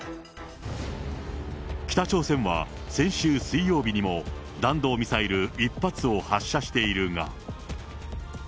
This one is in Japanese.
北朝鮮は先週水曜日にも、弾道ミサイル１発を発射しているが。